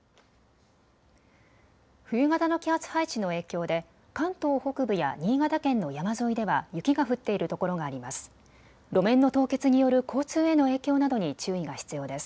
冬型の気圧配置の影響で関東北部や新潟県の山沿いでは雪が降っているところがあります。